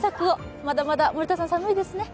まだまだ森田さん、寒いですね。